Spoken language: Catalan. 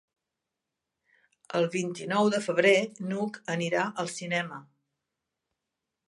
El vint-i-nou de febrer n'Hug anirà al cinema.